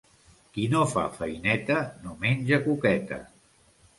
Qui no fa feineta no menja coqueta.